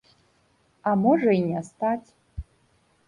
А можа і не стаць.